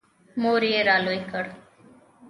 • مور یې را لوی کړ.